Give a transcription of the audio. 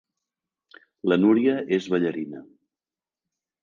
La Núria és ballarina.